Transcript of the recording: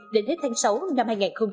đến hết tháng sáu năm hai nghìn hai mươi